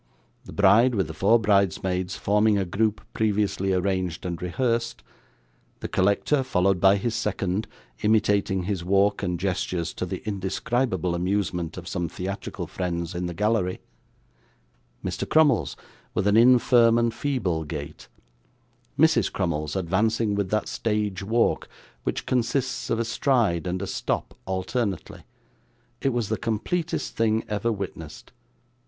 The bride, with the four bridesmaids, forming a group previously arranged and rehearsed; the collector, followed by his second, imitating his walk and gestures to the indescribable amusement of some theatrical friends in the gallery; Mr. Crummles, with an infirm and feeble gait; Mrs. Crummles advancing with that stage walk, which consists of a stride and a stop alternately it was the completest thing ever witnessed.